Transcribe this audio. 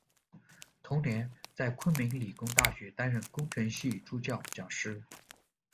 同年在昆明理工大学担任工程系助教、讲师。